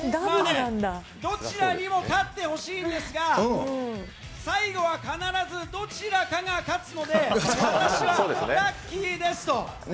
どちらにも勝ってほしいんですが、最後は必ずどちらかが勝つので、私はラッキーですと。